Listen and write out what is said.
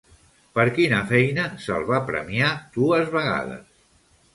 Per quina feina se'l va premiar dues vegades?